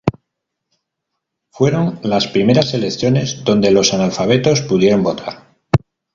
Fueron las primeras elecciones donde los analfabetos pudieron votar.